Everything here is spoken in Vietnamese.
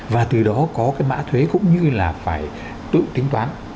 và từ đó có cái mã thuế cũng như là phải tự tính toán